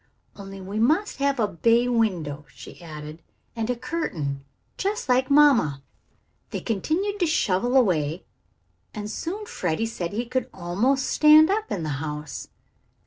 "Only we must have a bay window," she added. "And a curtain, just like mamma." They continued to shovel away, and soon Freddie said he could almost stand up in the house.